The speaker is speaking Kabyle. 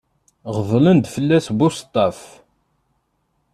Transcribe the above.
Γeḍlen-d fell-as buseṭṭaf.